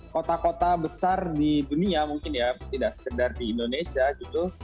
kota kota besar di dunia mungkin ya tidak sekedar di indonesia gitu